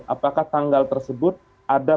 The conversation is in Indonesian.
apakah tanggal tersebut ada